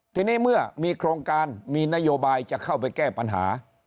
ทีนี้เมื่อมีโครงการมีนโยบายจะเข้าไปแก้ปัญหา